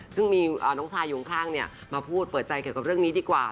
ซึ่งมีน้องชายอยู่ข้างมาพูดเปิดใจเกี่ยวกับเรื่องนี้ดีกว่า